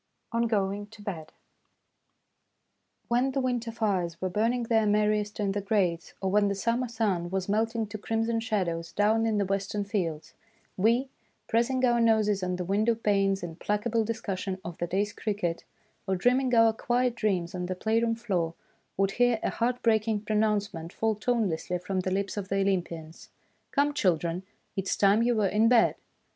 ON GOING TO BED WHEN the winter fires were burning their merriest in the grates, or when the summer sun was melting to crimson shadows down in the western fields, we, pressing our noses on the window panes in placable discussion of the day's cricket, or dreaming our quiet dreams on the playroom floor, would hear a heart breaking pronouncement fall tone lessly from the lips of the Olympians :" Come, children, it is time you were in bed